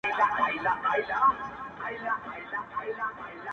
ه یاره ولي چوپ یې مخکي داسي نه وې.